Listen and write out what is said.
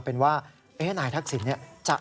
เป็นว่านายทักศิลป์